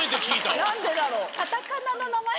何でだろう？